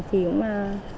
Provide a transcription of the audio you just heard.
thì cũng là